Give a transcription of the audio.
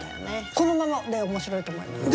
このままで面白いと思います。